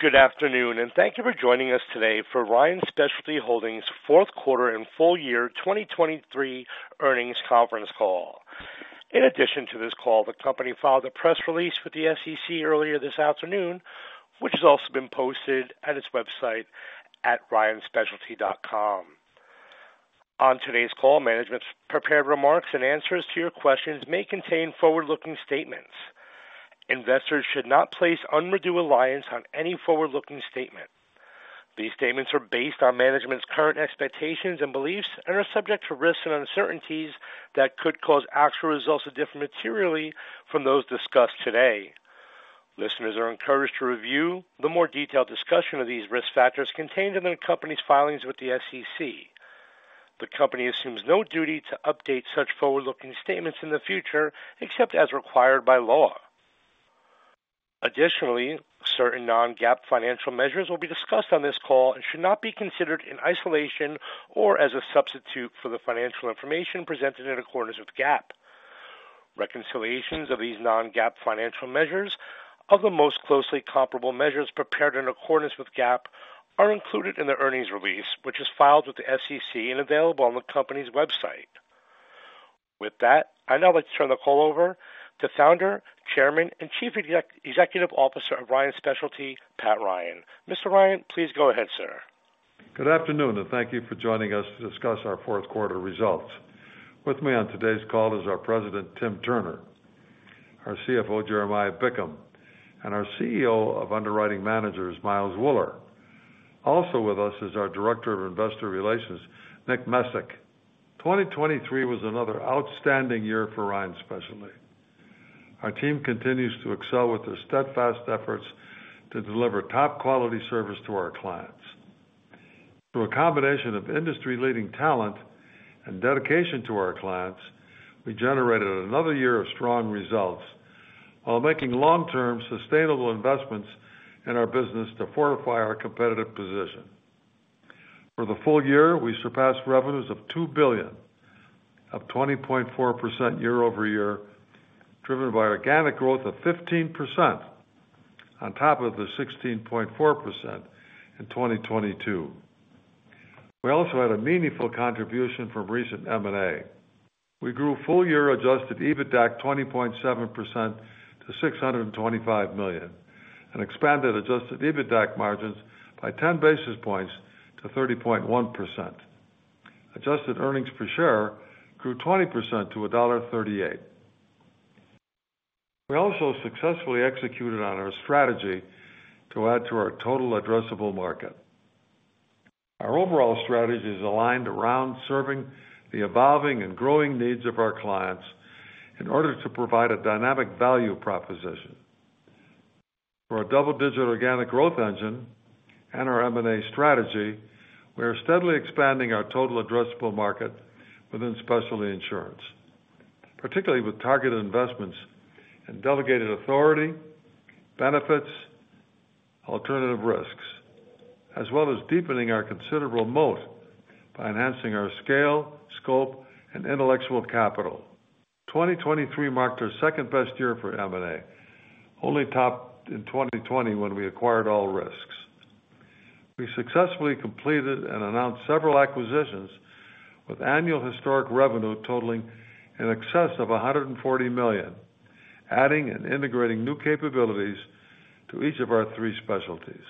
Good afternoon, and thank you for joining us today for Ryan Specialty Holdings' fourth quarter and full year 2023 earnings conference call. In addition to this call, the company filed a press release with the SEC earlier this afternoon, which has also been posted at its website at ryanspecialty.com. On today's call, management's prepared remarks and answers to your questions may contain forward-looking statements. Investors should not place undue reliance on any forward-looking statement. These statements are based on management's current expectations and beliefs and are subject to risks and uncertainties that could cause actual results to differ materially from those discussed today. Listeners are encouraged to review the more detailed discussion of these risk factors contained in the company's filings with the SEC. The company assumes no duty to update such forward-looking statements in the future except as required by law. Additionally, certain non-GAAP financial measures will be discussed on this call and should not be considered in isolation or as a substitute for the financial information presented in accordance with GAAP. Reconciliations of these non-GAAP financial measures of the most closely comparable measures prepared in accordance with GAAP are included in the earnings release, which is filed with the SEC and available on the company's website. With that, I now like to turn the call over to founder, chairman, and Chief Executive Officer of Ryan Specialty, Pat Ryan. Mr. Ryan, please go ahead, sir. Good afternoon, and thank you for joining us to discuss our fourth quarter results. With me on today's call is our President, Tim Turner, our CFO, Jeremiah Bickham, and our CEO of Underwriting Managers, Miles Wuller. Also with us is our Director of Investor Relations, Nicholas Mezick. 2023 was another outstanding year for Ryan Specialty. Our team continues to excel with their steadfast efforts to deliver top-quality service to our clients. Through a combination of industry-leading talent and dedication to our clients, we generated another year of strong results while making long-term, sustainable investments in our business to fortify our competitive position. For the full year, we surpassed revenues of $2 billion, up 20.4% year-over-year, driven by organic growth of 15% on top of the 16.4% in 2022. We also had a meaningful contribution from recent M&A. We grew full-year adjusted EBITDA at 20.7% to $625 million and expanded adjusted EBITDA margins by 10 basis points to 30.1%. Adjusted earnings per share grew 20% to $1.38. We also successfully executed on our strategy to add to our total addressable market. Our overall strategy is aligned around serving the evolving and growing needs of our clients in order to provide a dynamic value proposition. For a double-digit organic growth engine and our M&A strategy, we are steadily expanding our total addressable market within specialty insurance, particularly with targeted investments and delegated authority, benefits, alternative risks, as well as deepening our considerable moat by enhancing our scale, scope, and intellectual capital. 2023 marked our second-best year for M&A, only topped in 2020 when we acquired All Risks. We successfully completed and announced several acquisitions with annual historic revenue totaling in excess of $140 million, adding and integrating new capabilities to each of our three specialties.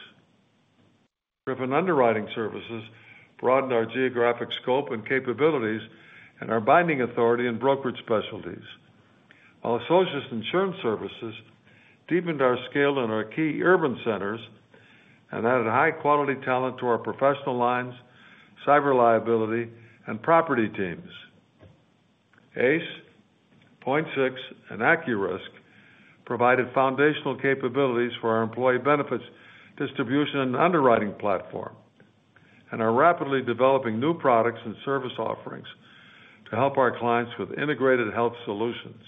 Griffin Underwriting Services broadened our geographic scope and capabilities and our binding authority in brokerage specialties, while Socius Insurance Services deepened our scale in our key urban centers and added high-quality talent to our professional lines, cyber liability, and property teams. ACE, Point6, and AccuRisk provided foundational capabilities for our employee benefits distribution and underwriting platform and are rapidly developing new products and service offerings to help our clients with integrated health solutions.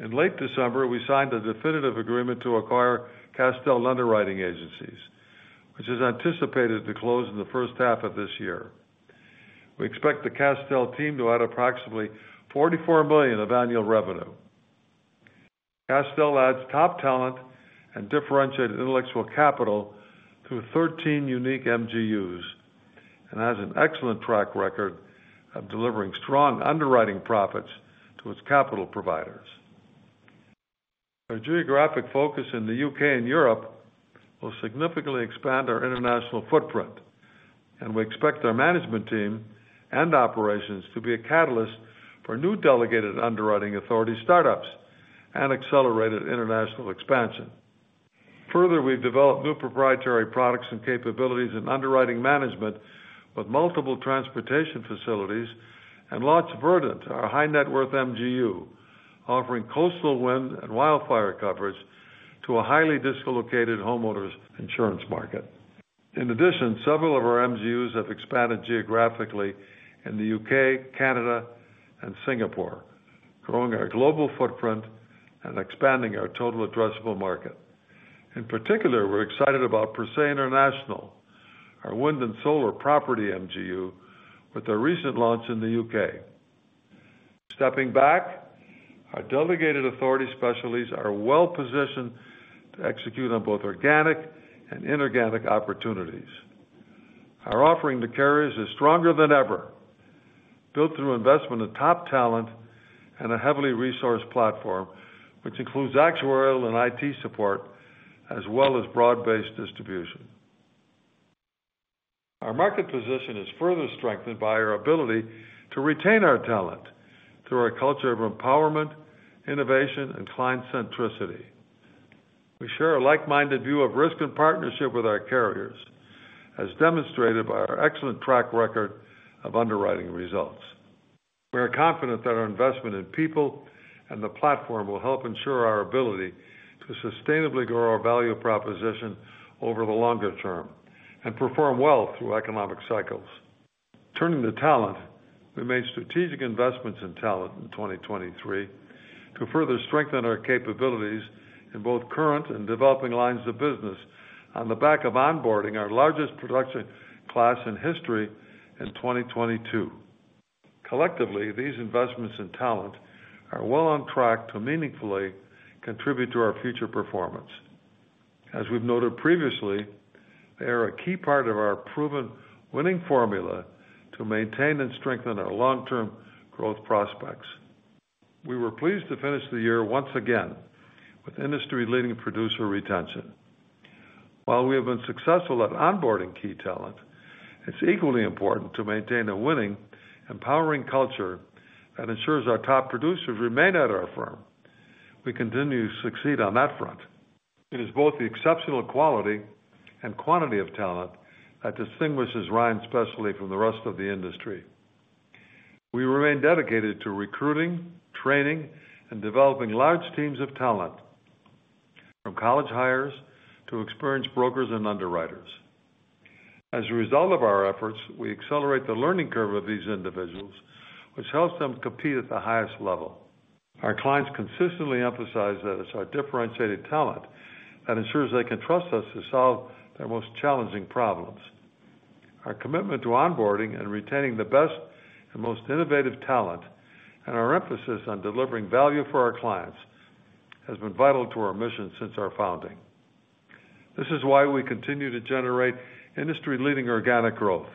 In late December, we signed a definitive agreement to acquire Castel Underwriting Agencies, which is anticipated to close in the first half of this year. We expect the Castel team to add approximately 44 million of annual revenue. Castel adds top talent and differentiated intellectual capital to 13 unique MGUs and has an excellent track record of delivering strong underwriting profits to its capital providers. Our geographic focus in the UK and Europe will significantly expand our international footprint, and we expect our management team and operations to be a catalyst for new delegated underwriting authority startups and accelerated international expansion. Further, we've developed new proprietary products and capabilities in underwriting management with multiple transportation facilities and launched Verdant, our high-net-worth MGU, offering coastal wind and wildfire coverage to a highly dislocated homeowners insurance market. In addition, several of our MGUs have expanded geographically in the UK, Canada, and Singapore, growing our global footprint and expanding our total addressable market. In particular, we're excited about PERse International, our wind and solar property MGU, with their recent launch in the UK. Stepping back, our delegated authority specialties are well positioned to execute on both organic and inorganic opportunities. Our offering to carriers is stronger than ever, built through investment in top talent and a heavily resourced platform, which includes actuarial and IT support as well as broad-based distribution. Our market position is further strengthened by our ability to retain our talent through our culture of empowerment, innovation, and client centricity. We share a like-minded view of risk and partnership with our carriers, as demonstrated by our excellent track record of underwriting results. We are confident that our investment in people and the platform will help ensure our ability to sustainably grow our value proposition over the longer term and perform well through economic cycles. Turning to talent, we made strategic investments in talent in 2023 to further strengthen our capabilities in both current and developing lines of business on the back of onboarding our largest production class in history in 2022. Collectively, these investments in talent are well on track to meaningfully contribute to our future performance. As we've noted previously, they are a key part of our proven winning formula to maintain and strengthen our long-term growth prospects. We were pleased to finish the year once again with industry-leading producer retention. While we have been successful at onboarding key talent, it's equally important to maintain a winning, empowering culture that ensures our top producers remain at our firm. We continue to succeed on that front. It is both the exceptional quality and quantity of talent that distinguishes Ryan Specialty from the rest of the industry. We remain dedicated to recruiting, training, and developing large teams of talent, from college hires to experienced brokers and underwriters. As a result of our efforts, we accelerate the learning curve of these individuals, which helps them compete at the highest level. Our clients consistently emphasize that it's our differentiated talent that ensures they can trust us to solve their most challenging problems. Our commitment to onboarding and retaining the best and most innovative talent and our emphasis on delivering value for our clients has been vital to our mission since our founding. This is why we continue to generate industry-leading organic growth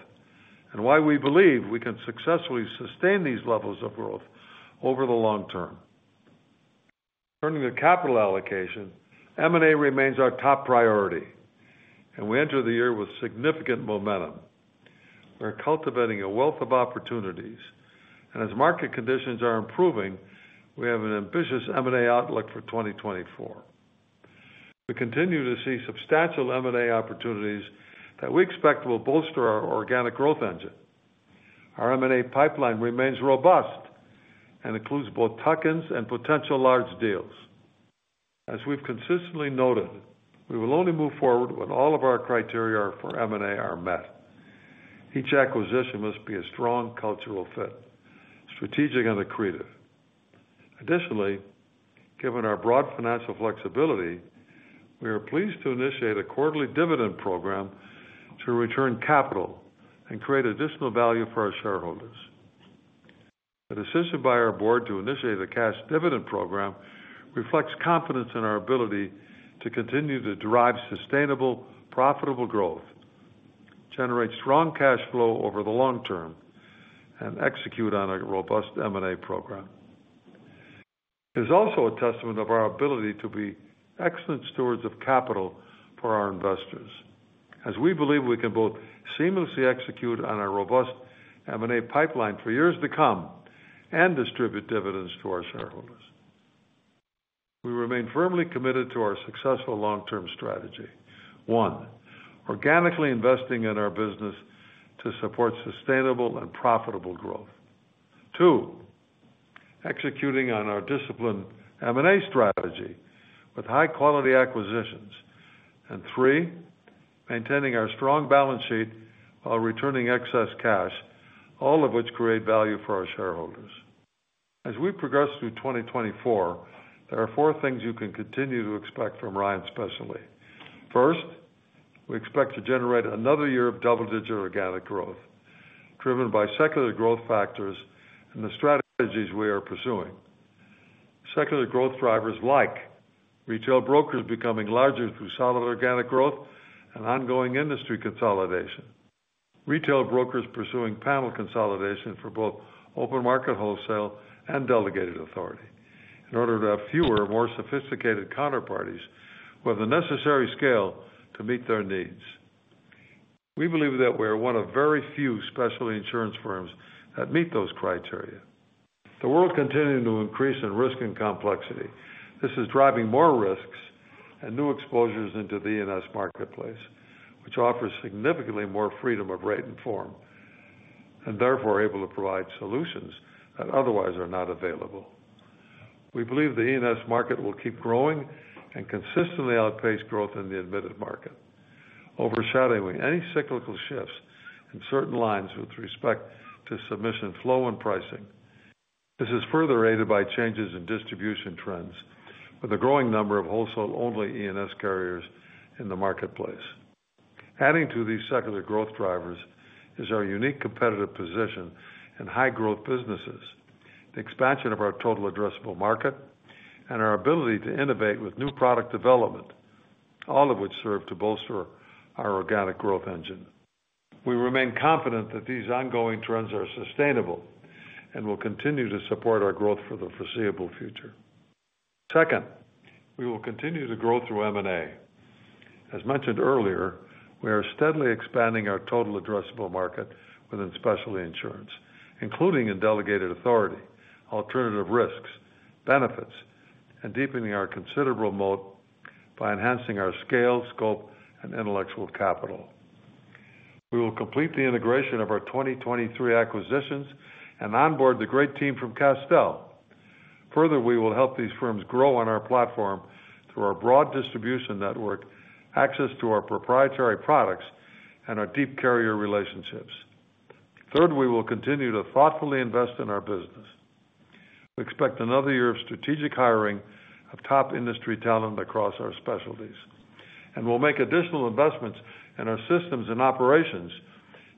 and why we believe we can successfully sustain these levels of growth over the long term. Turning to capital allocation, M&A remains our top priority, and we enter the year with significant momentum. We're cultivating a wealth of opportunities, and as market conditions are improving, we have an ambitious M&A outlook for 2024. We continue to see substantial M&A opportunities that we expect will bolster our organic growth engine. Our M&A pipeline remains robust and includes both tuck-ins and potential large deals. As we've consistently noted, we will only move forward when all of our criteria for M&A are met. Each acquisition must be a strong cultural fit, strategic, and accretive. Additionally, given our broad financial flexibility, we are pleased to initiate a quarterly dividend program to return capital and create additional value for our shareholders. The decision by our board to initiate a cash dividend program reflects confidence in our ability to continue to drive sustainable, profitable growth, generate strong cash flow over the long term, and execute on a robust M&A program. It is also a testament of our ability to be excellent stewards of capital for our investors, as we believe we can both seamlessly execute on our robust M&A pipeline for years to come and distribute dividends to our shareholders. We remain firmly committed to our successful long-term strategy: one, organically investing in our business to support sustainable and profitable growth, two, executing on our disciplined M&A strategy with high-quality acquisitions, and three, maintaining our strong balance sheet while returning excess cash, all of which create value for our shareholders. As we progress through 2024, there are four things you can continue to expect from Ryan Specialty. First, we expect to generate another year of double-digit organic growth driven by secular growth factors and the strategies we are pursuing. Secular growth drivers like retail brokers becoming larger through solid organic growth and ongoing industry consolidation, retail brokers pursuing panel consolidation for both open market wholesale and delegated authority in order to have fewer or more sophisticated counterparties with the necessary scale to meet their needs. We believe that we are one of very few specialty insurance firms that meet those criteria. The world continues to increase in risk and complexity. This is driving more risks and new exposures into the E&S marketplace, which offers significantly more freedom of rate and form and, therefore, able to provide solutions that otherwise are not available. We believe the E&S market will keep growing and consistently outpace growth in the admitted market, overshadowing any cyclical shifts in certain lines with respect to submission flow and pricing. This is further aided by changes in distribution trends with a growing number of wholesale-only E&S carriers in the marketplace. Adding to these secular growth drivers is our unique competitive position in high-growth businesses, the expansion of our total addressable market, and our ability to innovate with new product development, all of which serve to bolster our organic growth engine. We remain confident that these ongoing trends are sustainable and will continue to support our growth for the foreseeable future. Second, we will continue to grow through M&A. As mentioned earlier, we are steadily expanding our total addressable market within specialty insurance, including in delegated authority, alternative risks, benefits, and deepening our considerable moat by enhancing our scale, scope, and intellectual capital. We will complete the integration of our 2023 acquisitions and onboard the great team from Castell. Further, we will help these firms grow on our platform through our broad distribution network, access to our proprietary products, and our deep carrier relationships. Third, we will continue to thoughtfully invest in our business. We expect another year of strategic hiring of top industry talent across our specialties, and we'll make additional investments in our systems and operations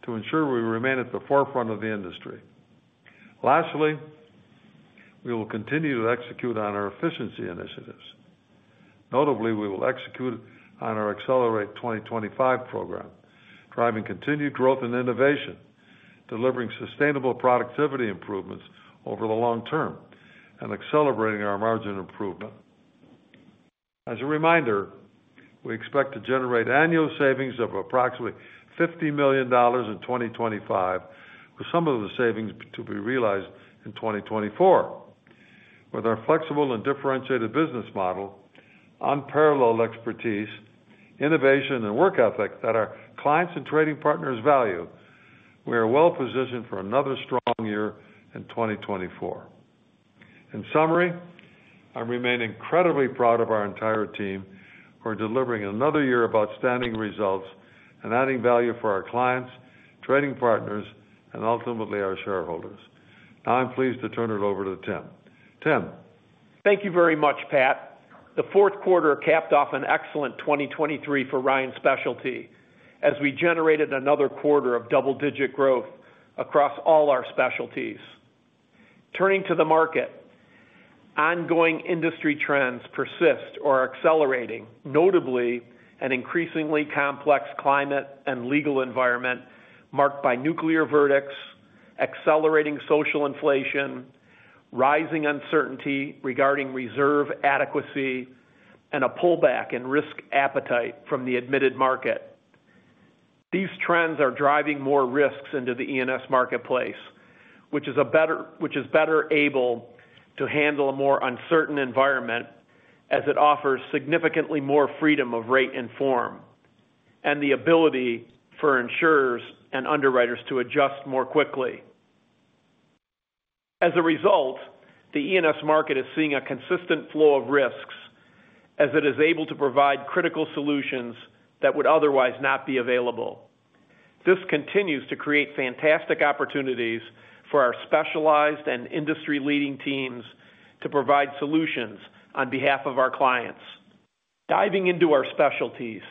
to ensure we remain at the forefront of the industry. Lastly, we will continue to execute on our efficiency initiatives. Notably, we will execute on our Accelerate 2025 program, driving continued growth and innovation, delivering sustainable productivity improvements over the long term, and accelerating our margin improvement. As a reminder, we expect to generate annual savings of approximately $50 million in 2025, with some of the savings to be realized in 2024. With our flexible and differentiated business model, unparalleled expertise, innovation, and work ethic that our clients and trading partners value, we are well positioned for another strong year in 2024. In summary, I'm remaining incredibly proud of our entire team. We're delivering another year of outstanding results and adding value for our clients, trading partners, and ultimately our shareholders. Now I'm pleased to turn it over to Tim. Tim. Thank you very much, Pat. The fourth quarter capped off an excellent 2023 for Ryan Specialty as we generated another quarter of double-digit growth across all our specialties. Turning to the market, ongoing industry trends persist or are accelerating, notably an increasingly complex climate and legal environment marked by nuclear verdicts, accelerating social inflation, rising uncertainty regarding reserve adequacy, and a pullback in risk appetite from the admitted market. These trends are driving more risks into the E&S marketplace, which is better able to handle a more uncertain environment as it offers significantly more freedom of rate and form and the ability for insurers and underwriters to adjust more quickly. As a result, the E&S market is seeing a consistent flow of risks as it is able to provide critical solutions that would otherwise not be available. This continues to create fantastic opportunities for our specialized and industry-leading teams to provide solutions on behalf of our clients. Diving into our specialties,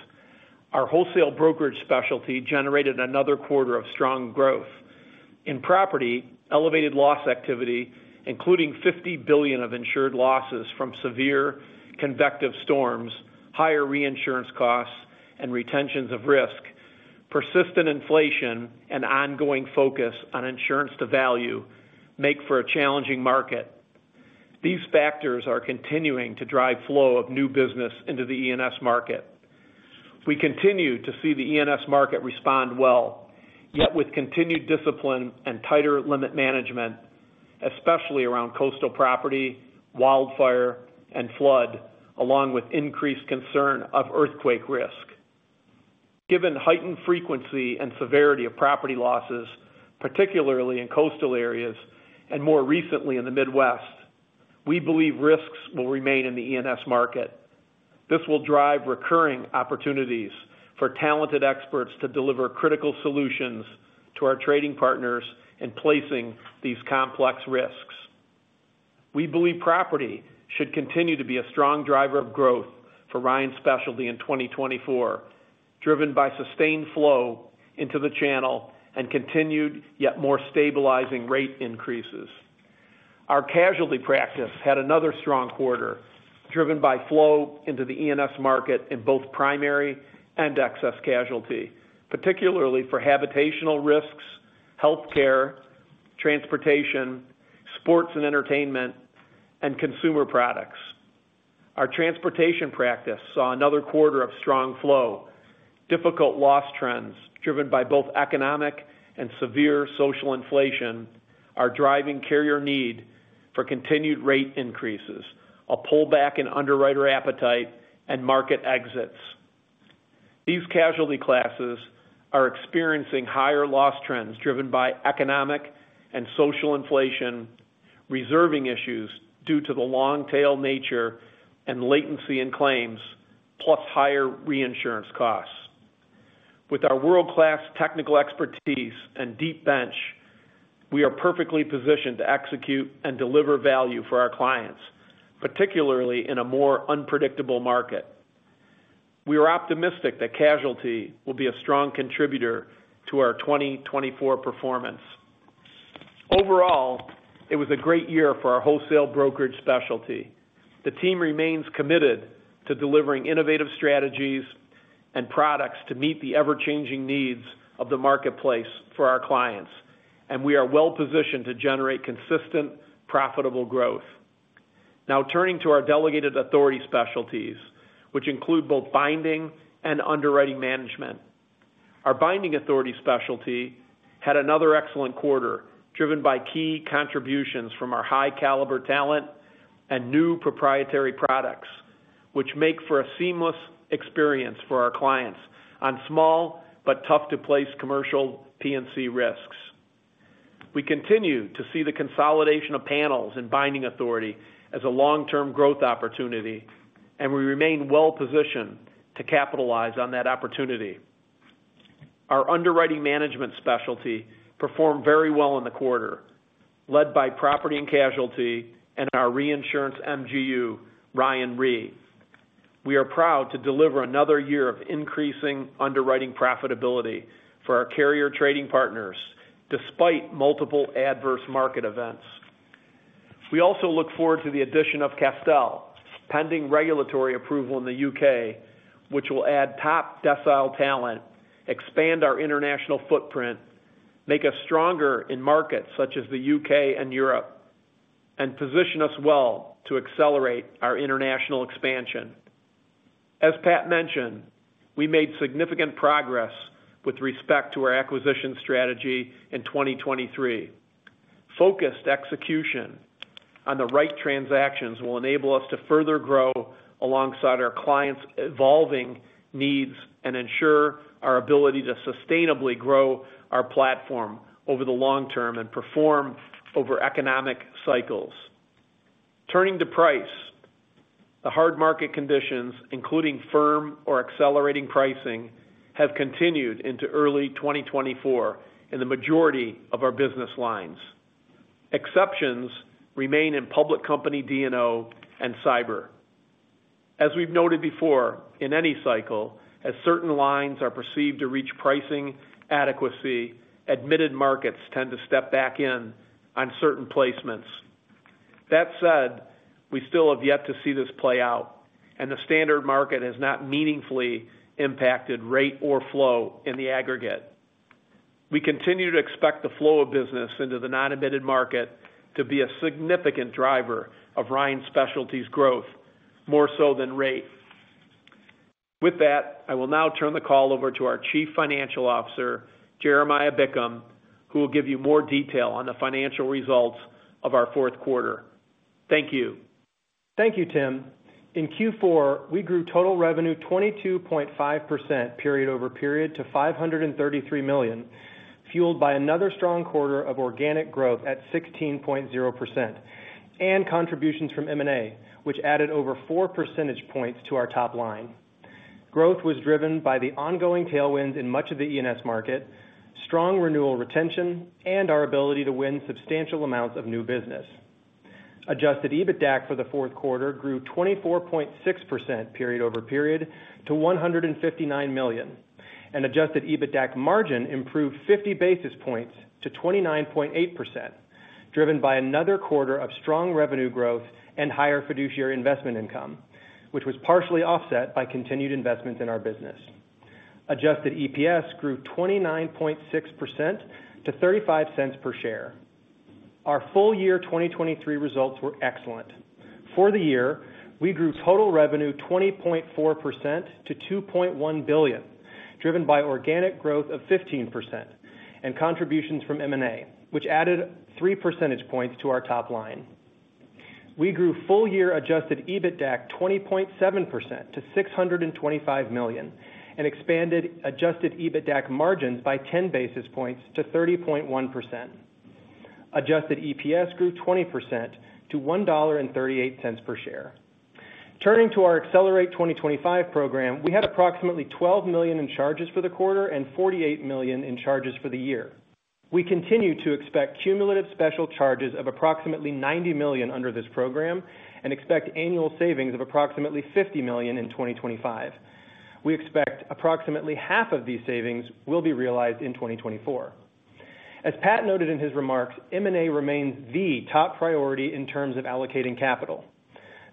our wholesale brokerage specialty generated another quarter of strong growth. In property, elevated loss activity, including 50 billion of insured losses from severe convective storms, higher reinsurance costs, and retentions of risk, persistent inflation, and ongoing focus on insurance to value make for a challenging market. These factors are continuing to drive flow of new business into the E&S market. We continue to see the E&S market respond well, yet with continued discipline and tighter limit management, especially around coastal property, wildfire, and flood, along with increased concern of earthquake risk. Given heightened frequency and severity of property losses, particularly in coastal areas, and more recently in the Midwest, we believe risks will remain in the E&S market. This will drive recurring opportunities for talented experts to deliver critical solutions to our trading partners in placing these complex risks. We believe property should continue to be a strong driver of growth for Ryan Specialty in 2024, driven by sustained flow into the channel and continued yet more stabilizing rate increases. Our casualty practice had another strong quarter, driven by flow into the E&S market in both primary and excess casualty, particularly for habitational risks, healthcare, transportation, sports and entertainment, and consumer products. Our transportation practice saw another quarter of strong flow. Difficult loss trends driven by both economic and severe social inflation are driving carrier need for continued rate increases, a pullback in underwriter appetite, and market exits. These casualty classes are experiencing higher loss trends driven by economic and social inflation, reserving issues due to the long-tail nature and latency in claims, plus higher reinsurance costs. With our world-class technical expertise and deep bench, we are perfectly positioned to execute and deliver value for our clients, particularly in a more unpredictable market. We are optimistic that casualty will be a strong contributor to our 2024 performance. Overall, it was a great year for our wholesale brokerage specialty. The team remains committed to delivering innovative strategies and products to meet the ever-changing needs of the marketplace for our clients, and we are well positioned to generate consistent, profitable growth. Now turning to our delegated authority specialties, which include both binding and underwriting management. Our binding authority specialty had another excellent quarter, driven by key contributions from our high-caliber talent and new proprietary products, which make for a seamless experience for our clients on small but tough-to-place commercial P&C risks. We continue to see the consolidation of panels in binding authority as a long-term growth opportunity, and we remain well positioned to capitalize on that opportunity. Our underwriting management specialty performed very well in the quarter, led by property and casualty and our reinsurance MGU, Ryan Re. We are proud to deliver another year of increasing underwriting profitability for our carrier trading partners, despite multiple adverse market events. We also look forward to the addition of Castell, pending regulatory approval in the U.K., which will add top decile talent, expand our international footprint, make us stronger in markets such as the U.K. and Europe, and position us well to accelerate our international expansion. As Pat mentioned, we made significant progress with respect to our acquisition strategy in 2023. Focused execution on the right transactions will enable us to further grow alongside our clients' evolving needs and ensure our ability to sustainably grow our platform over the long term and perform over economic cycles. Turning to price, the hard market conditions, including firm or accelerating pricing, have continued into early 2024 in the majority of our business lines. Exceptions remain in public company D&O and cyber. As we have noted before, in any cycle, as certain lines are perceived to reach pricing adequacy, admitted markets tend to step back in on certain placements. That said, we still have yet to see this play out, and the standard market has not meaningfully impacted rate or flow in the aggregate. We continue to expect the flow of business into the non-admitted market to be a significant driver of Ryan Specialty's growth, more so than rate. With that, I will now turn the call over to our Chief Financial Officer, Jeremiah Bickham, who will give you more detail on the financial results of our fourth quarter. Thank you. Thank you, Tim. In Q4, we grew total revenue 22.5%, period over period, to $533 million, fueled by another strong quarter of organic growth at 16.0%, and contributions from M&A, which added over four percentage points to our top line. Growth was driven by the ongoing tailwinds in much of the E&S market, strong renewal retention, and our ability to win substantial amounts of new business. Adjusted EBITDA for the fourth quarter grew 24.6%, period over period, to $159 million, and adjusted EBITDA margin improved 50 basis points to 29.8%, driven by another quarter of strong revenue growth and higher fiduciary investment income, which was partially offset by continued investments in our business. Adjusted EPS grew 29.6% to $0.35 per share. Our full year 2023 results were excellent. For the year, we grew total revenue 20.4% to 2.1 billion, driven by organic growth of 15% and contributions from M&A, which added three percentage points to our top line. We grew full year adjusted EBITDA 20.7% to $625 million and expanded adjusted EBITDA margins by 10 basis points to 30.1%. Adjusted EPS grew 20% to $1.38 per share. Turning to our Accelerate 2025 program, we had approximately $12 million in charges for the quarter and 48 million in charges for the year. We continue to expect cumulative special charges of approximately $90 million under this program and expect annual savings of approximately 50 million in 2025. We expect approximately half of these savings will be realized in 2024. As Pat noted in his remarks, M&A remains the top priority in terms of allocating capital.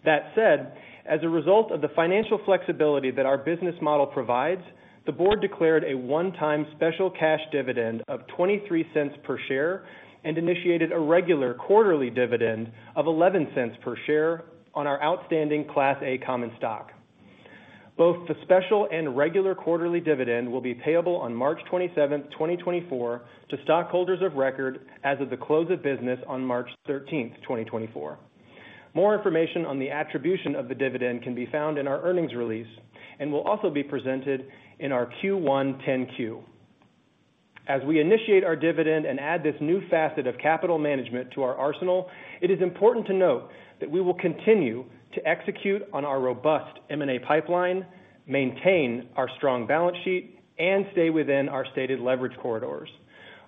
That said, as a result of the financial flexibility that our business model provides, the board declared a one-time special cash dividend of 0.23 per share and initiated a regular quarterly dividend of 0.11 per share on our outstanding Class A common stock. Both the special and regular quarterly dividend will be payable on March 27, 2024, to stockholders of record as of the close of business on March 13, 2024. More information on the attribution of the dividend can be found in our earnings release and will also be presented in our Q1 10-Q. As we initiate our dividend and add this new facet of capital management to our arsenal, it is important to note that we will continue to execute on our robust M&A pipeline, maintain our strong balance sheet, and stay within our stated leverage corridors.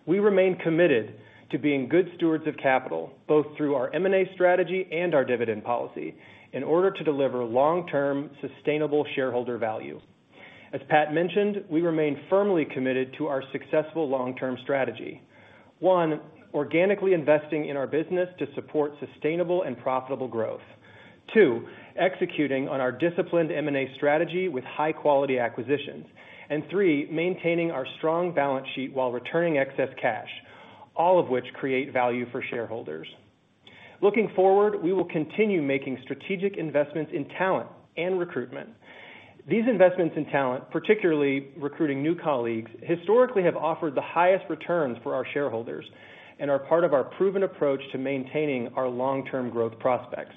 We remain committed to being good stewards of capital, both through our M&A strategy and our dividend policy, in order to deliver long-term, sustainable shareholder value. As Pat mentioned, we remain firmly committed to our successful long-term strategy: one, organically investing in our business to support sustainable and profitable growth; two, executing on our disciplined M&A strategy with high-quality acquisitions; and three, maintaining our strong balance sheet while returning excess cash, all of which create value for shareholders. Looking forward, we will continue making strategic investments in talent and recruitment. These investments in talent, particularly recruiting new colleagues, historically have offered the highest returns for our shareholders and are part of our proven approach to maintaining our long-term growth prospects.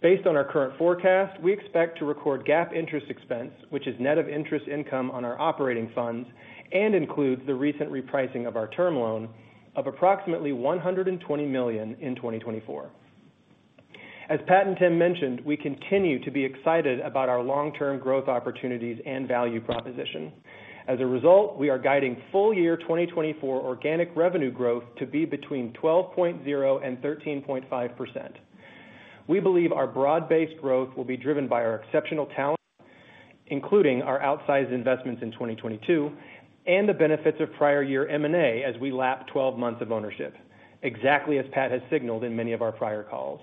Based on our current forecast, we expect to record GAAP interest expense, which is net of interest income on our operating funds and includes the recent repricing of our term loan, of approximately 120 million in 2024. As Pat and Tim mentioned, we continue to be excited about our long-term growth opportunities and value proposition. As a result, we are guiding full year 2024 organic revenue growth to be between 12.0%-13.5%. We believe our broad-based growth will be driven by our exceptional talent, including our outsized investments in 2022, and the benefits of prior year M&A as we lap 12 months of ownership, exactly as Pat has signaled in many of our prior calls.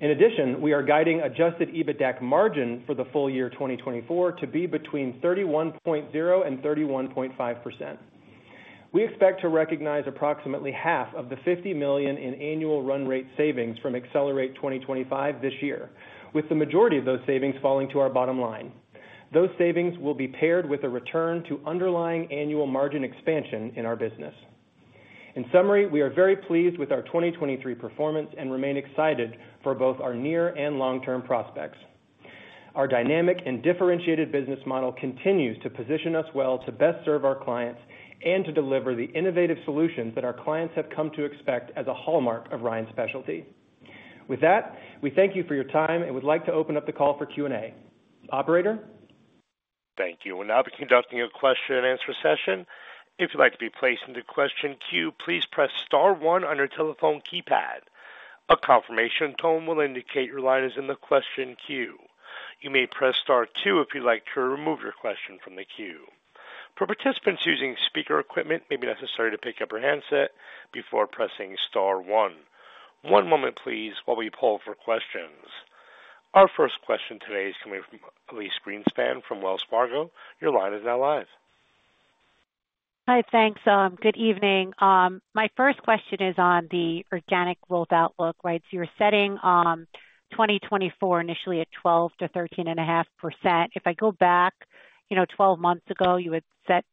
In addition, we are guiding Adjusted EBITDA margin for the full year 2024 to be between 31.0%-31.5%. We expect to recognize approximately 25 million in annual run-rate savings from Accelerate 2025 this year, with the majority of those savings falling to our bottom line. Those savings will be paired with a return to underlying annual margin expansion in our business. In summary, we are very pleased with our 2023 performance and remain excited for both our near and long-term prospects. Our dynamic and differentiated business model continues to position us well to best serve our clients and to deliver the innovative solutions that our clients have come to expect as a hallmark of Ryan Specialty. With that, we thank you for your time and would like to open up the call for Q&A. Operator? Thank you. We're now conducting a question-and-answer session. If you'd like to be placed into question queue, please press star one on your telephone keypad. A confirmation tone will indicate your line is in the question queue. You may press star two if you'd like to remove your question from the queue. For participants using speaker equipment, it may be necessary to pick up your handset before pressing star one. One moment, please, while we pull for questions. Our first question today is coming from Elise Greenspan from Wells Fargo. Your line is now live. Hi. Thanks. Good evening. My first question is on the organic growth outlook. So you're setting 2024 initially at 12%-13.5%. If I go back 12 months ago, you had set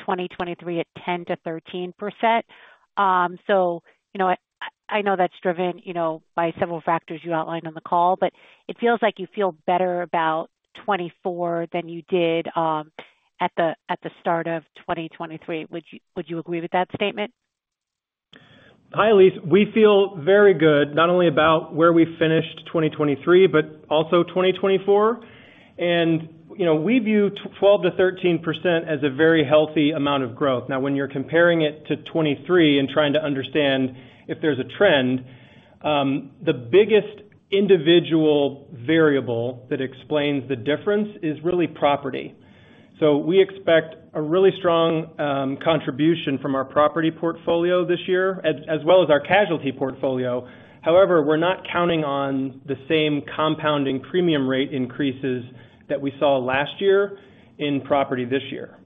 2023 at 10%-13%. So I know that's driven by several factors you outlined on the call, but it feels like you feel better about 2024 than you did at the start of 2023. Would you agree with that statement? Hi, Elise. We feel very good, not only about where we finished 2023 but also 2024. We view 12%-13% as a very healthy amount of growth. Now, when you're comparing it to 2023 and trying to understand if there's a trend, the biggest individual variable that explains the difference is really property. So we expect a really strong contribution from our property portfolio this year, as well as our casualty portfolio. However, we're not counting on the same compounding premium rate increases that we saw last year in property this year.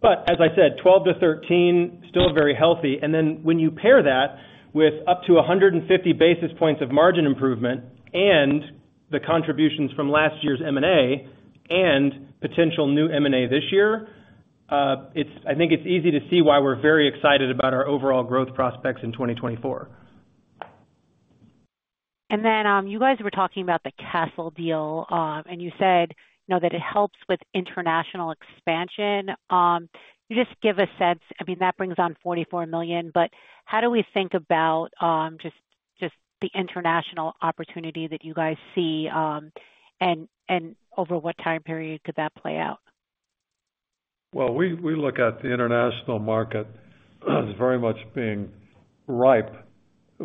But as I said, 12%-13%, still very healthy. And then when you pair that with up to 150 basis points of margin improvement and the contributions from last year's M&A and potential new M&A this year, I think it's easy to see why we're very excited about our overall growth prospects in 2024. Then you guys were talking about the Castel deal, and you said that it helps with international expansion. You just give a sense, I mean, that brings on 44 million, but how do we think about just the international opportunity that you guys see, and over what time period could that play out? Well, we look at the international market as very much being ripe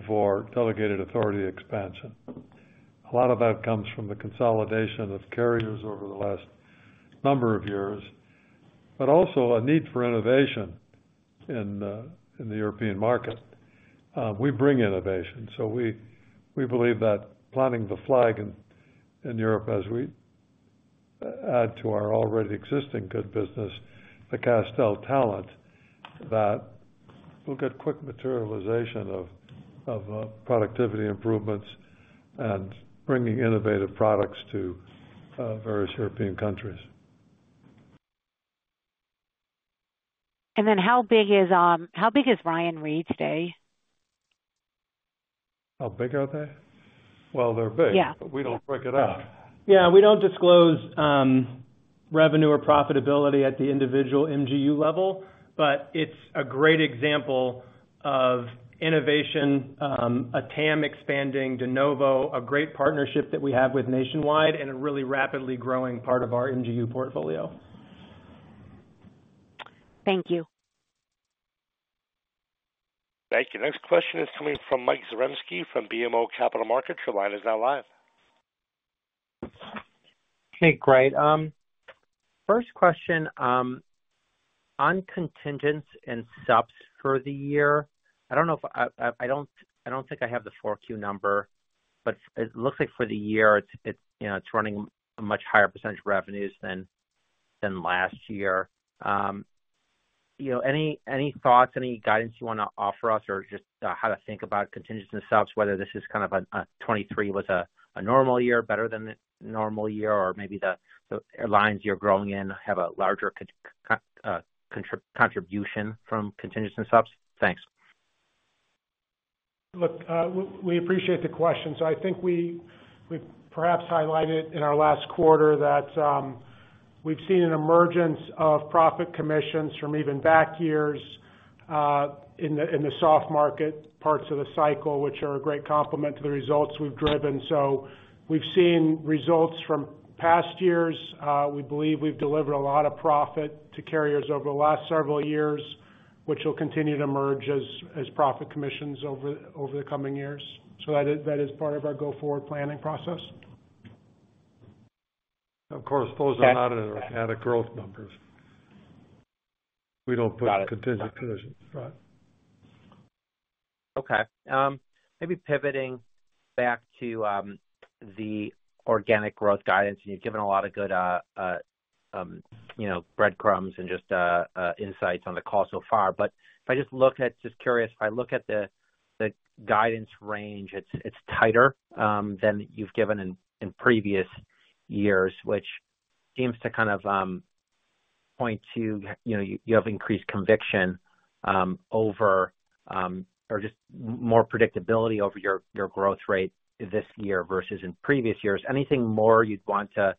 for delegated authority expansion. A lot of that comes from the consolidation of carriers over the last number of years, but also a need for innovation in the European market. We bring innovation. So we believe that planting the flag in Europe as we add to our already existing good business, the Castel talent, that we'll get quick materialization of productivity improvements and bringing innovative products to various European countries. How big is Ryan Re today? How big are they? Well, they're big, but we don't break it out. Yeah. We don't disclose revenue or profitability at the individual MGU level, but it's a great example of innovation, a TAM expanding, De Novo, a great partnership that we have with Nationwide, and a really rapidly growing part of our MGU portfolio. Thank you. Thank you. Next question is coming from Mike Zaremski from BMO Capital Markets. Your line is now live. Hey, great. First question, on contingents and subs for the year. I don't know if I don't think I have the 4Q number, but it looks like for the year, it's running a much higher percentage of revenues than last year. Any thoughts, any guidance you want to offer us, or just how to think about contingents and subs, whether this is kind of a 2023 was a normal year, better than a normal year, or maybe the lines you're growing in have a larger contribution from contingents and subs? Thanks. Look, we appreciate the question. So I think we've perhaps highlighted in our last quarter that we've seen an emergence of profit commissions from even back years in the soft market parts of the cycle, which are a great complement to the results we've driven. So we've seen results from past years. We believe we've delivered a lot of profit to carriers over the last several years, which will continue to emerge as profit commissions over the coming years. So that is part of our go-forward planning process. Of course, those are not at a growth number. We don't put contingent commissions. Got it. Got it. Okay. Maybe pivoting back to the organic growth guidance. And you've given a lot of good breadcrumbs and just insights on the call so far. But just curious, if I look at the guidance range, it's tighter than you've given in previous years, which seems to kind of point to you have increased conviction over or just more predictability over your growth rate this year versus in previous years. Anything more you'd want to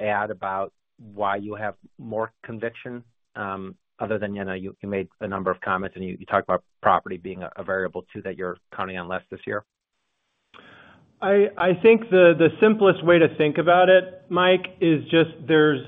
add about why you have more conviction other than you know you made a number of comments, and you talked about property being a variable too that you're counting on less this year? I think the simplest way to think about it, Mike, is just there's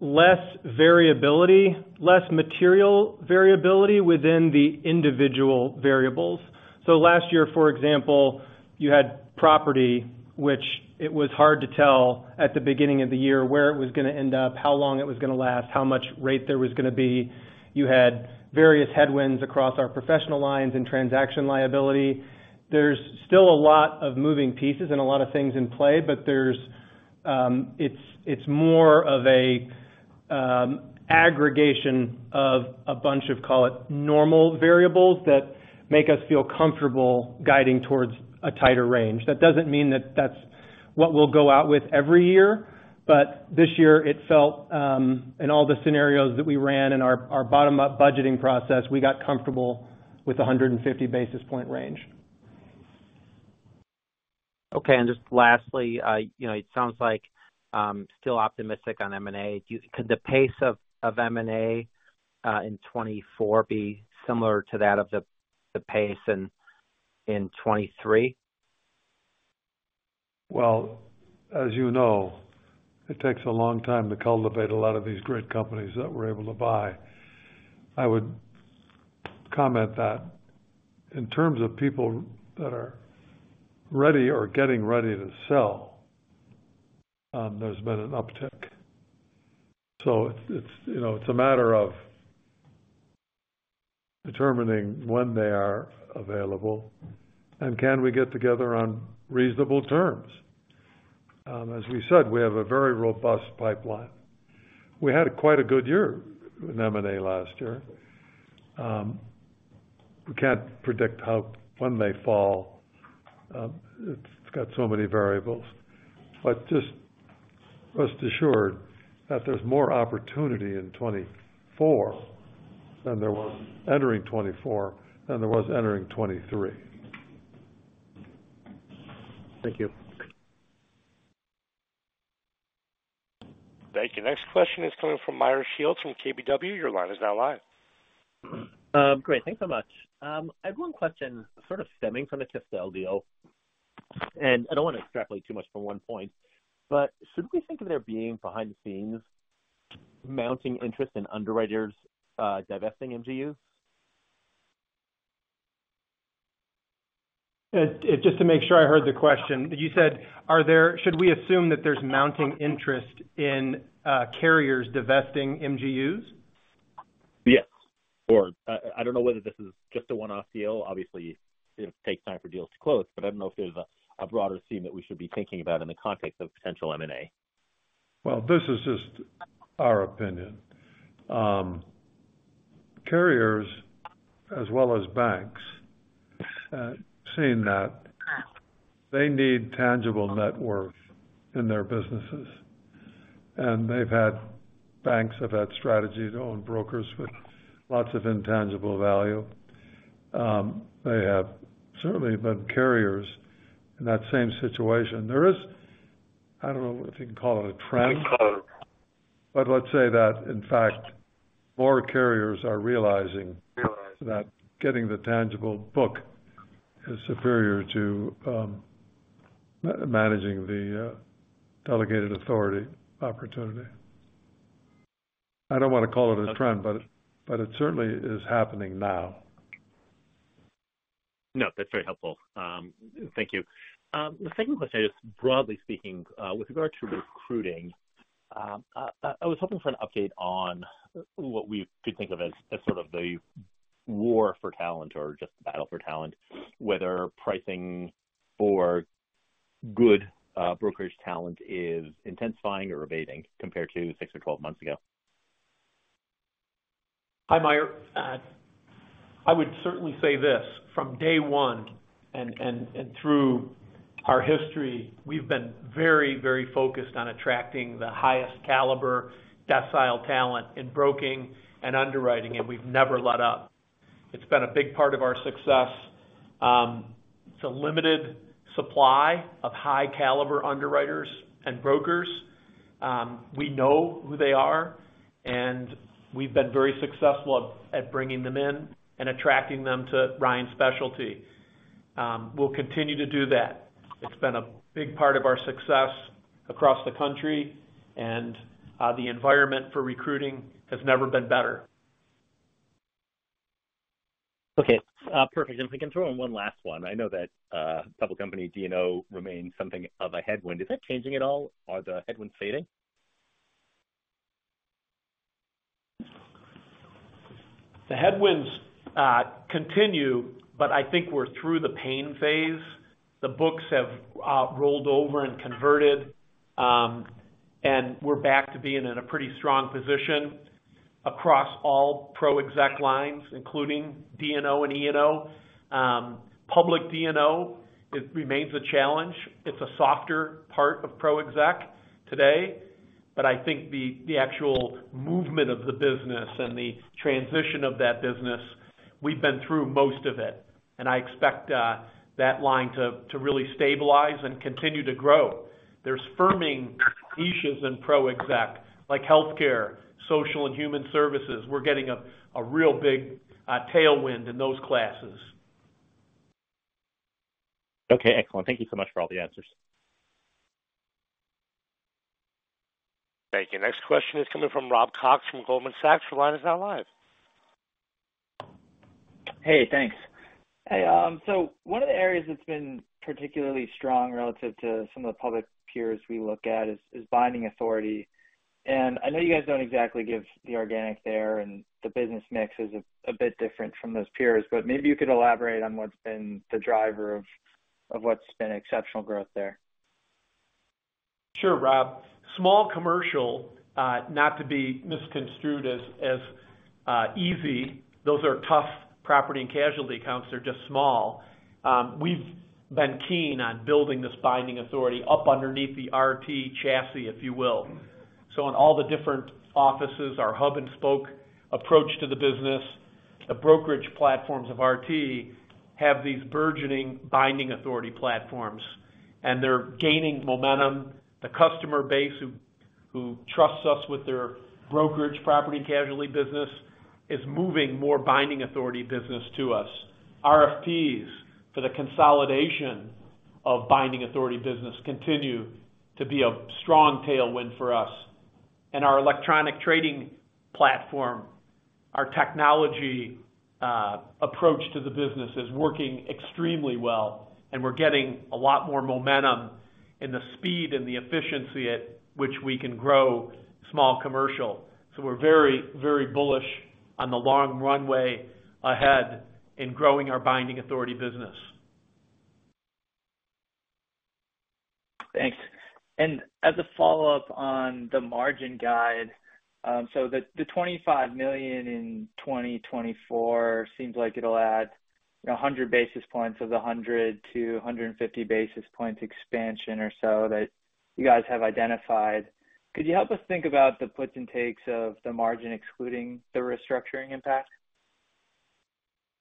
less variability, less material variability within the individual variables. So last year, for example, you had property, which it was hard to tell at the beginning of the year where it was going to end up, how long it was going to last, how much rate there was going to be. You had various headwinds across our professional lines and transaction liability. There's still a lot of moving pieces and a lot of things in play, but it's more of an aggregation of a bunch of, call it, normal variables that make us feel comfortable guiding towards a tighter range. That doesn't mean that that's what we'll go out with every year, but this year, it felt, in all the scenarios that we ran in our bottom-up budgeting process, we got comfortable with a 150 basis points range. Okay. And just lastly, it sounds like still optimistic on M&A. Could the pace of M&A in 2024 be similar to that of the pace in 2023? Well, as you know, it takes a long time to cultivate a lot of these great companies that we're able to buy. I would comment that in terms of people that are ready or getting ready to sell, there's been an uptick. So it's a matter of determining when they are available and can we get together on reasonable terms. As we said, we have a very robust pipeline. We had quite a good year in M&A last year. We can't predict when they fall. It's got so many variables. But just rest assured that there's more opportunity in 2024 than there was entering 2024 than there was entering 2023. Thank you. Thank you. Next question is coming from Meyer Shields from KBW. Your line is now live. Great. Thanks so much. I have one question sort of stemming from the Castel deal. And I don't want to extrapolate too much from one point, but should we think of there being, behind the scenes, mounting interest in underwriters divesting MGUs? Just to make sure I heard the question, you said, "Should we assume that there's mounting interest in carriers divesting MGUs? Yes. Or I don't know whether this is just a one-off deal. Obviously, it takes time for deals to close, but I don't know if there's a broader theme that we should be thinking about in the context of potential M&A. Well, this is just our opinion. Carriers, as well as banks, seeing that, they need tangible net worth in their businesses. And banks have had strategy to own brokers with lots of intangible value. They have certainly been carriers in that same situation. I don't know if you can call it a trend, but let's say that, in fact, more carriers are realizing that getting the tangible book is superior to managing the delegated authority opportunity. I don't want to call it a trend, but it certainly is happening now. No, that's very helpful. Thank you. The second question, just broadly speaking, with regard to recruiting, I was hoping for an update on what we could think of as sort of the war for talent or just the battle for talent, whether pricing for good brokerage talent is intensifying or abating compared to six or 12 months ago? Hi, Meyer. I would certainly say this. From day one and through our history, we've been very, very focused on attracting the highest-caliber, docile talent in broking and underwriting, and we've never let up. It's been a big part of our success. It's a limited supply of high-caliber underwriters and brokers. We know who they are, and we've been very successful at bringing them in and attracting them to Ryan Specialty. We'll continue to do that. It's been a big part of our success across the country, and the environment for recruiting has never been better. Okay. Perfect. And if we can throw in one last one. I know that public company D&O remains something of a headwind. Is that changing at all? Are the headwinds fading? The headwinds continue, but I think we're through the pain phase. The books have rolled over and converted, and we're back to being in a pretty strong position across all ProExec lines, including D&O and E&O. Public D&O remains a challenge. It's a softer part of ProExec today. But I think the actual movement of the business and the transition of that business, we've been through most of it. And I expect that line to really stabilize and continue to grow. There's firming niches in ProExec like healthcare, social, and human services. We're getting a real big tailwind in those classes. Okay. Excellent. Thank you so much for all the answers. Thank you. Next question is coming from Rob Cox from Goldman Sachs. Your line is now live. Hey, thanks. Hey. So one of the areas that's been particularly strong relative to some of the public peers we look at is binding authority. And I know you guys don't exactly give the organic there, and the business mix is a bit different from those peers, but maybe you could elaborate on what's been the driver of what's been exceptional growth there. Sure, Rob. Small commercial, not to be misconstrued as easy. Those are tough property and casualty accounts. They're just small. We've been keen on building this binding authority up underneath the RT chassis, if you will. So in all the different offices, our hub-and-spoke approach to the business, the brokerage platforms of RT have these burgeoning binding authority platforms, and they're gaining momentum. The customer base who trusts us with their brokerage property and casualty business is moving more binding authority business to us. RFPs for the consolidation of binding authority business continue to be a strong tailwind for us. Our electronic trading platform, our technology approach to the business is working extremely well, and we're getting a lot more momentum in the speed and the efficiency at which we can grow small commercial. So we're very, very bullish on the long runway ahead in growing our binding authority business. Thanks. And as a follow-up on the margin guide, so the $25 million in 2024 seems like it'll add 100 basis points of the 100-150 basis points expansion or so that you guys have identified. Could you help us think about the puts and takes of the margin excluding the restructuring impact?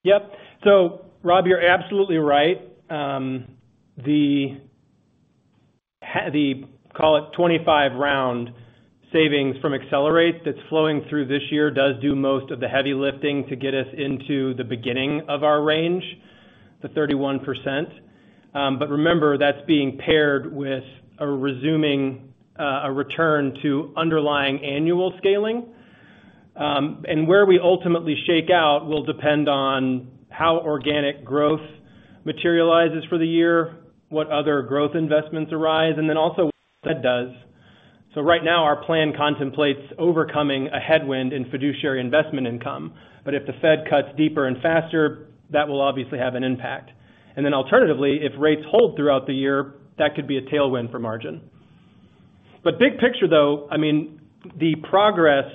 Yep. So, Rob, you're absolutely right. The, call it, 25 million savings from Accelerate that's flowing through this year does do most of the heavy lifting to get us into the beginning of our range, the 31%. But remember, that's being paired with a return to underlying annual scaling. And where we ultimately shake out will depend on how organic growth materializes for the year, what other growth investments arise, and then also what the Fed does. So right now, our plan contemplates overcoming a headwind in fiduciary investment income. But if the Fed cuts deeper and faster, that will obviously have an impact. And then alternatively, if rates hold throughout the year, that could be a tailwind for margin. But big picture, though, I mean, the progress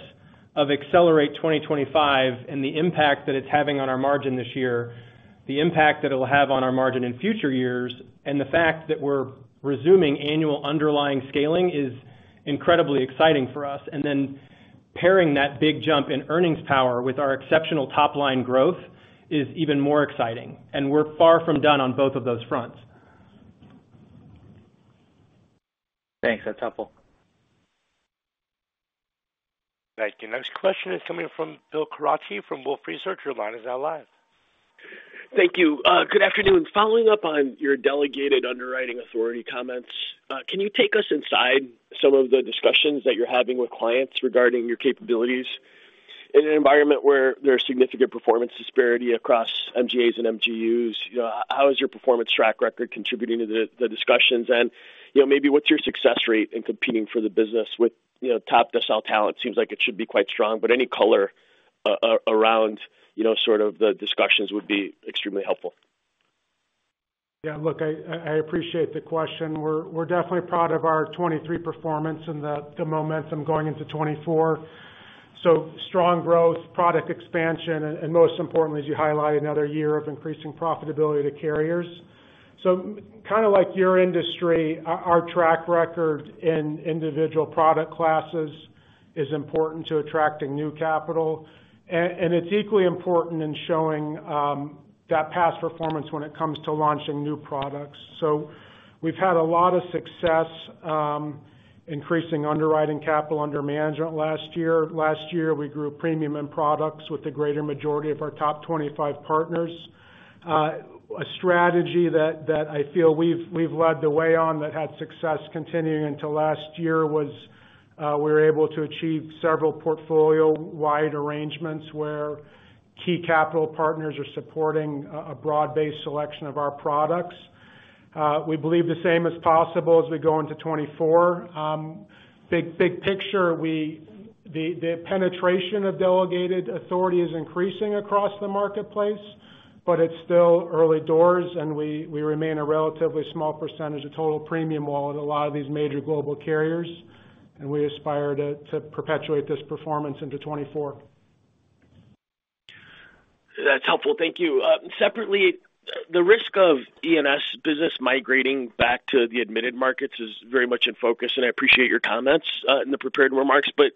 of Accelerate 2025 and the impact that it's having on our margin this year, the impact that it'll have on our margin in future years, and the fact that we're resuming annual underlying scaling is incredibly exciting for us. And then pairing that big jump in earnings power with our exceptional top-line growth is even more exciting. And we're far from done on both of those fronts. Thanks. That's helpful. Thank you. Next question is coming from Bill Carcache from Wolfe Research. Your line is now live. Thank you. Good afternoon. Following up on your delegated underwriting authority comments, can you take us inside some of the discussions that you're having with clients regarding your capabilities in an environment where there's significant performance disparity across MGAs and MGUs? How is your performance track record contributing to the discussions? And maybe what's your success rate in competing for the business with top-decile talent? Seems like it should be quite strong, but any color around sort of the discussions would be extremely helpful. Yeah. Look, I appreciate the question. We're definitely proud of our 2023 performance and the momentum going into 2024. So strong growth, product expansion, and most importantly, as you highlighted, another year of increasing profitability to carriers. So kind of like your industry, our track record in individual product classes is important to attracting new capital. And it's equally important in showing that past performance when it comes to launching new products. So we've had a lot of success increasing underwriting capital under management last year. Last year, we grew premium in products with the greater majority of our top 25 partners. A strategy that I feel we've led the way on that had success continuing until last year was we were able to achieve several portfolio-wide arrangements where key capital partners are supporting a broad-based selection of our products. We believe the same is possible as we go into 2024. Big picture, the penetration of delegated authority is increasing across the marketplace, but it's still early doors, and we remain a relatively small percentage of total premium wallet in a lot of these major global carriers. We aspire to perpetuate this performance into 2024. That's helpful. Thank you. Separately, the risk of E&S business migrating back to the admitted markets is very much in focus, and I appreciate your comments and the prepared remarks. But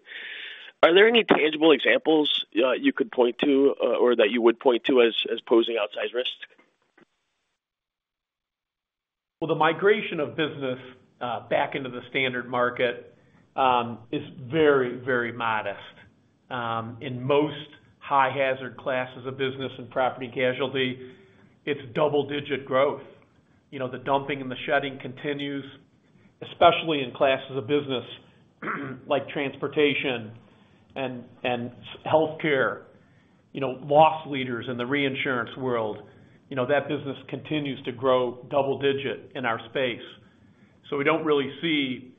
are there any tangible examples you could point to or that you would point to as posing outsized risk? Well, the migration of business back into the standard market is very, very modest. In most high-hazard classes of business and property and casualty, it's double-digit growth. The dumping and the shedding continues, especially in classes of business like transportation and healthcare, loss leaders in the reinsurance world. That business continues to grow double-digit in our space. So we don't really see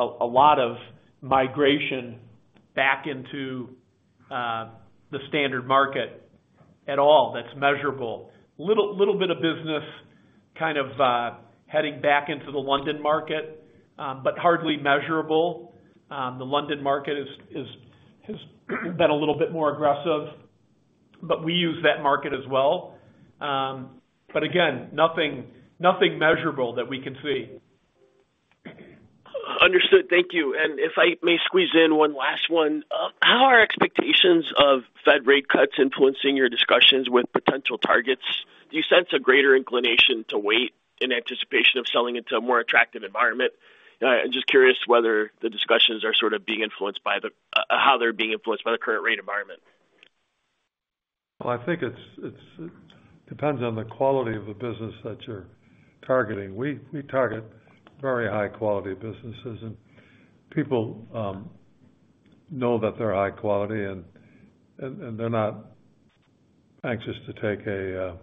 a lot of migration back into the standard market at all that's measurable. A little bit of business kind of heading back into the London market, but hardly measurable. The London market has been a little bit more aggressive, but we use that market as well. But again, nothing measurable that we can see. Understood. Thank you. If I may squeeze in one last one, how are expectations of Fed rate cuts influencing your discussions with potential targets? Do you sense a greater inclination to wait in anticipation of selling into a more attractive environment? I'm just curious whether the discussions are sort of being influenced by how they're being influenced by the current rate environment. Well, I think it depends on the quality of the business that you're targeting. We target very high-quality businesses, and people know that they're high quality, and they're not anxious to take a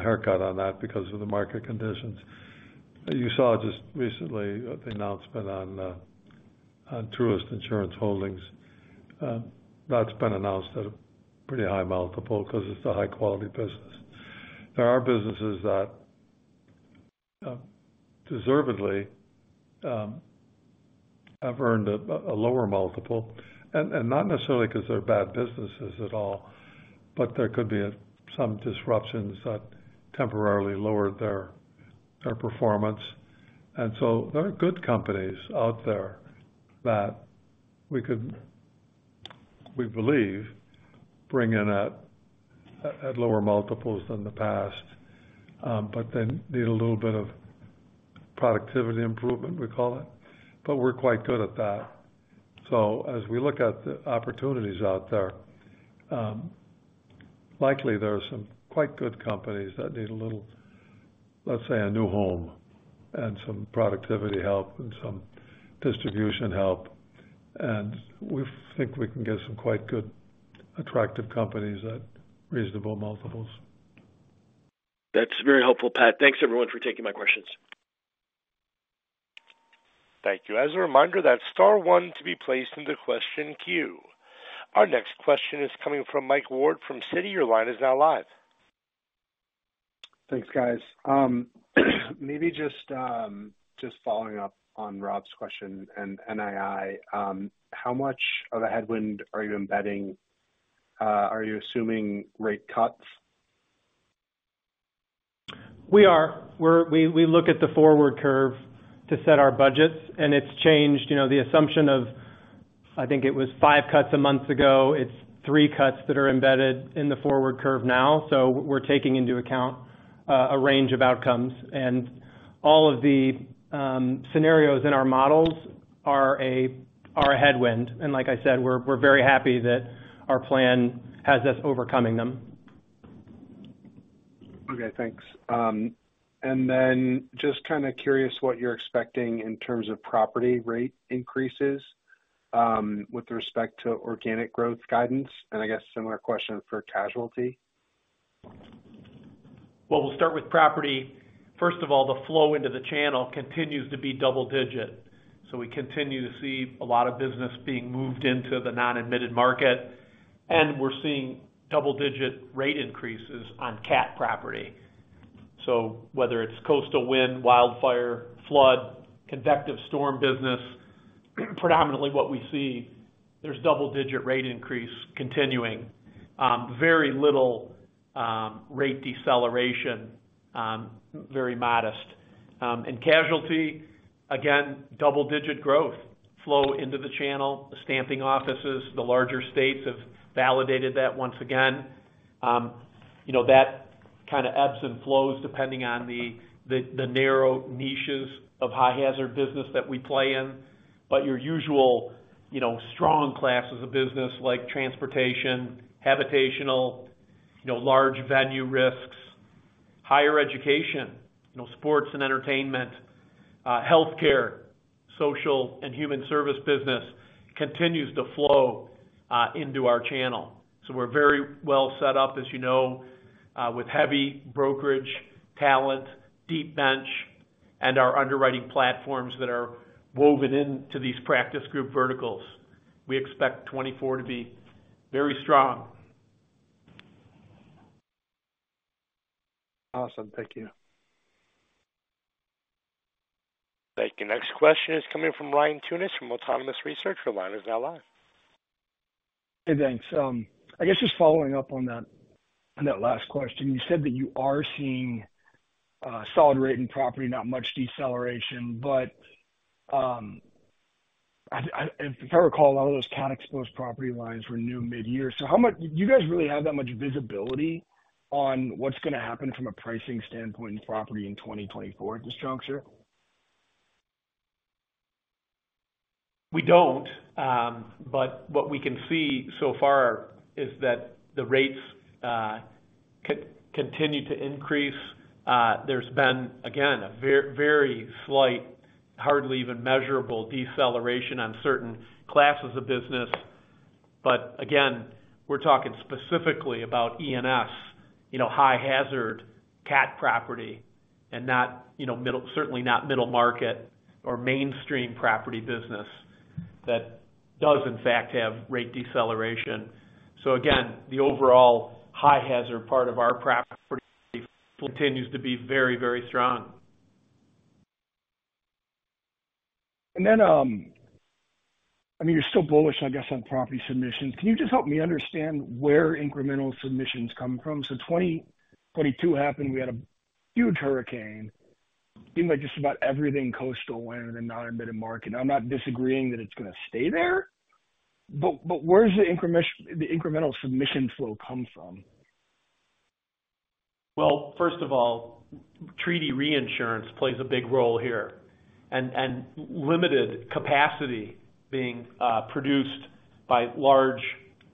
haircut on that because of the market conditions. You saw just recently the announcement on Truist Insurance Holdings. That's been announced at a pretty high multiple because it's a high-quality business. There are businesses that deservedly have earned a lower multiple, and not necessarily because they're bad businesses at all, but there could be some disruptions that temporarily lowered their performance. And so there are good companies out there that we believe bring in at lower multiples than the past, but they need a little bit of productivity improvement, we call it. But we're quite good at that. As we look at the opportunities out there, likely, there are some quite good companies that need a little, let's say, a new home and some productivity help and some distribution help. We think we can get some quite good, attractive companies at reasonable multiples. That's very helpful, Pat. Thanks, everyone, for taking my questions. Thank you. As a reminder, that's star one to be placed in the question queue. Our next question is coming from Mike Ward from Citi. Your line is now live. Thanks, guys. Maybe just following up on Rob's question and NII, how much of a headwind are you embedding? Are you assuming rate cuts? We are. We look at the forward curve to set our budgets, and it's changed. The assumption of, I think it was five cuts a month ago. It's three cuts that are embedded in the forward curve now. So we're taking into account a range of outcomes. And all of the scenarios in our models are a headwind. And like I said, we're very happy that our plan has us overcoming them. Okay. Thanks. Then just kind of curious what you're expecting in terms of property rate increases with respect to organic growth guidance. I guess similar question for casualty. Well, we'll start with property. First of all, the flow into the channel continues to be double-digit. So we continue to see a lot of business being moved into the non-admitted market, and we're seeing double-digit rate increases on CAT property. So whether it's coastal wind, wildfire, flood, convective storm business, predominantly what we see, there's double-digit rate increase continuing, very little rate deceleration, very modest. And casualty, again, double-digit growth, flow into the channel, the stamping offices. The larger states have validated that once again. That kind of ebbs and flows depending on the narrow niches of high-hazard business that we play in. But your usual strong classes of business like transportation, habitational, large-venue risks, higher education, sports and entertainment, healthcare, social, and human service business continues to flow into our channel. We're very well set up, as you know, with heavy brokerage, talent, deep bench, and our underwriting platforms that are woven into these practice group verticals. We expect 2024 to be very strong. Awesome. Thank you. Thank you. Next question is coming from Ryan Tunis from Autonomous Research. Your line is now live. Hey, thanks. I guess just following up on that last question, you said that you are seeing solid rate in property, not much deceleration. But if I recall, a lot of those CAT-exposed property lines were new mid-year. So do you guys really have that much visibility on what's going to happen from a pricing standpoint in property in 2024 at this juncture? We don't. But what we can see so far is that the rates continue to increase. There's been, again, a very slight, hardly even measurable deceleration on certain classes of business. But again, we're talking specifically about E&S, high-hazard CAT property, and certainly not middle market or mainstream property business that does, in fact, have rate deceleration. So again, the overall high-hazard part of our property continues to be very, very strong. Then, I mean, you're still bullish, I guess, on property submissions. Can you just help me understand where incremental submissions come from? So 2022 happened. We had a huge hurricane. It seemed like just about everything coastal went into the non-admitted market. Now, I'm not disagreeing that it's going to stay there, but where does the incremental submission flow come from? Well, first of all, treaty reinsurance plays a big role here, and limited capacity being produced by large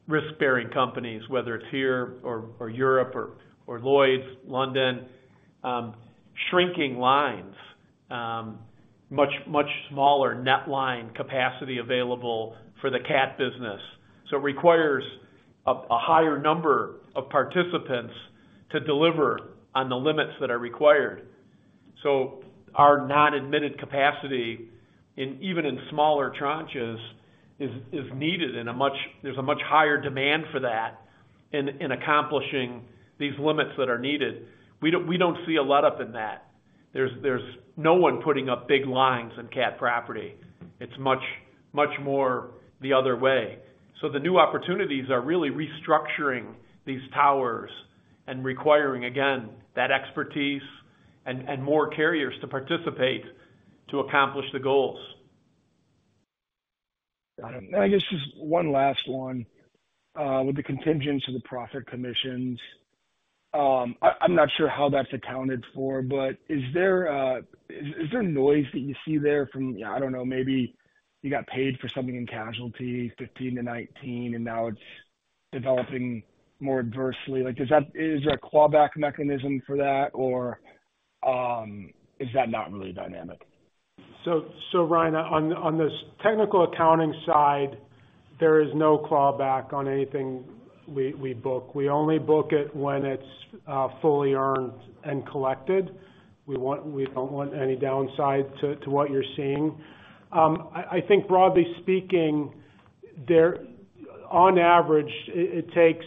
risk-bearing companies, whether it's here or Europe or Lloyd's, London, shrinking lines, much smaller net line capacity available for the CAT business. So it requires a higher number of participants to deliver on the limits that are required. So our non-admitted capacity, even in smaller tranches, is needed, and there's a much higher demand for that in accomplishing these limits that are needed. We don't see a lot up in that. There's no one putting up big lines in CAT property. It's much more the other way. So the new opportunities are really restructuring these towers and requiring, again, that expertise and more carriers to participate to accomplish the goals. Got it. And I guess just one last one with the contingents of the profit commissions. I'm not sure how that's accounted for, but is there noise that you see there from, I don't know, maybe you got paid for something in casualty, 15-19, and now it's developing more adversely? Is there a clawback mechanism for that, or is that not really dynamic? So Ryan, on this technical accounting side, there is no clawback on anything we book. We only book it when it's fully earned and collected. We don't want any downside to what you're seeing. I think, broadly speaking, on average, it takes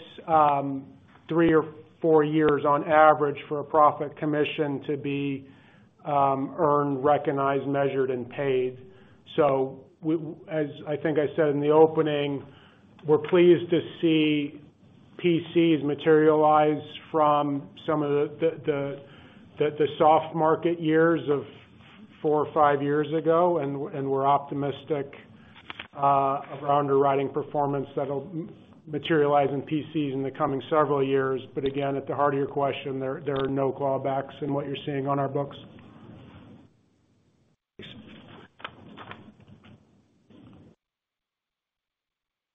three or four years, on average, for a profit commission to be earned, recognized, measured, and paid. So as I think I said in the opening, we're pleased to see PCs materialize from some of the soft market years of four or five years ago, and we're optimistic of our underwriting performance that'll materialize in PCs in the coming several years. But again, at the heart of your question, there are no clawbacks in what you're seeing on our books.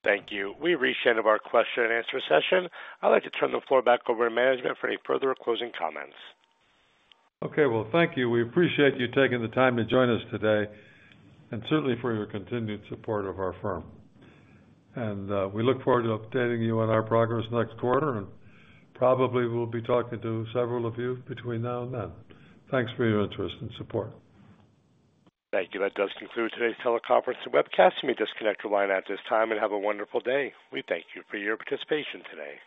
Thank you. We reached the end of our question-and-answer session. I'd like to turn the floor back over to management for any further or closing comments. Okay. Well, thank you. We appreciate you taking the time to join us today and certainly for your continued support of our firm. We look forward to updating you on our progress next quarter, and probably we'll be talking to several of you between now and then. Thanks for your interest and support. Thank you. That does conclude today's teleconference and webcast. You may disconnect your line at this time and have a wonderful day. We thank you for your participation today.